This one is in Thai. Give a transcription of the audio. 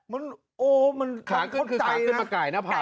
มันโอ้มันขาขึ้นขาขึ้นกับไก่หน้าผ่าน